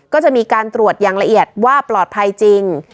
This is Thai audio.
ก็จะมีการตรวจอย่างละเอียดว่าปลอดภัยจริง